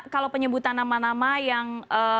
kalau penyebutan nama nama yang